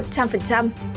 cơ hội mua hàng giảm giá